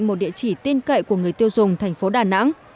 một địa chỉ tin cậy của người tiêu dùng thành phố đà nẵng